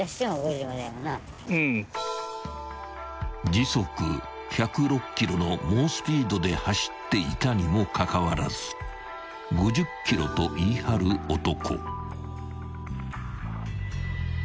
［時速１０６キロの猛スピードで走っていたにもかかわらず５０キロと言い張る男］